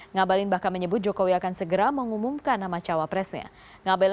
ngabalin bahkan menyebut jokowi akan segera mengumumkan nama cawapresnya